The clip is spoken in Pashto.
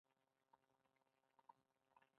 ازادي راډیو د عدالت په اړه د پېښو رپوټونه ورکړي.